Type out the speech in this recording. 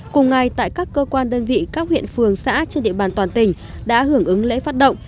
cùng ngày tại các cơ quan đơn vị các huyện phường xã trên địa bàn toàn tỉnh đã hưởng ứng lễ phát động